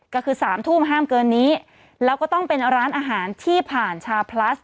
ก็คือสามทุ่มห้ามเกินนี้แล้วก็ต้องเป็นร้านอาหารที่ผ่านชาพลัส